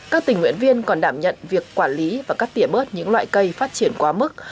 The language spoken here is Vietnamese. các tình nguyện viên còn đảm nhận việc quản lý và cắt tỉa bớt những loại cây phát triển quá mức